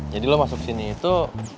jadi lo masuk sini itu